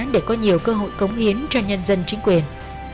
để có nhiều cơ hội cống hiến cho nhân dân chính quyền